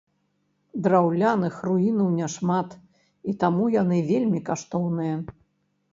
Драўляных руінаў няшмат, і таму яны вельмі каштоўныя.